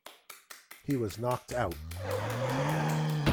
He was knocked out.